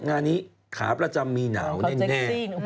งานนี้ขาประจำมีหนาวแน่